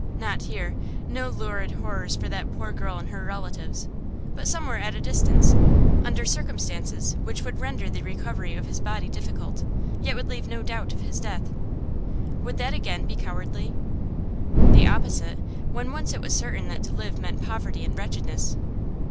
Not here; no lurid horrors for that poor girl and her relatives; but somewhere at a distance, under circumstances which would render the recovery of his body difficult, yet would leave no doubt of his death. Would that, again, be cowardly? The opposite, when once it was certain that to live meant poverty and wretchedness.